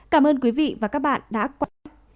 cảm ơn quý vị và các bạn đã quan sát